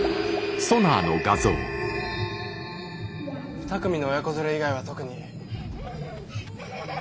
２組の親子連れ以外は特に。